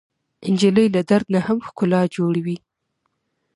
نجلۍ له درد نه هم ښکلا جوړوي.